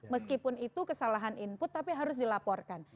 meskipun itu kesalahan input tapi harus dilaporkan